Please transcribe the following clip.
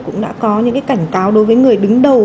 cũng đã có những cảnh cáo đối với người đứng đầu